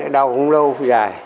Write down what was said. đau không lâu không dài